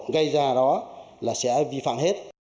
gây ra đó là sẽ vi phạm hết